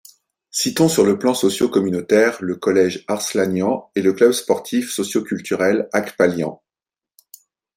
Citons sur le plan socio-communautaire le collège Arslanian, et le club sportif socio-culturel Aghpalian.